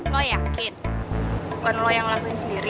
lo yakin bukan lo yang lakuin sendiri